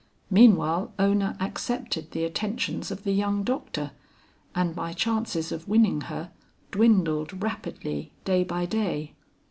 Meanwhile Ona accepted the attentions of the young doctor, and my chances of winning her, dwindled rapidly day by day.